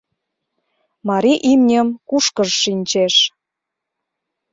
Марий имньым кушкыж шинчеш.